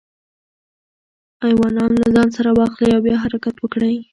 ایوانان له ځان سره واخلئ او بیا حرکت وکړئ.